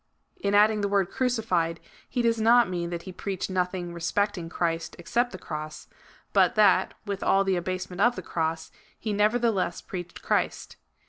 In adding the word crucified, he does not mean that he preached nothing respecting Christ except the cross ; but that, with all the abasement of the cross, he neverthelesa preached Christ.